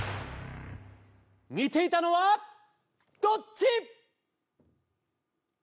似ていたのはどっち？